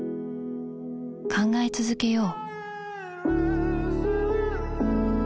考え続けよう